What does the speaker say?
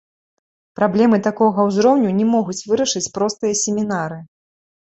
Праблемы такога ўзроўню не могуць вырашыць простыя семінары.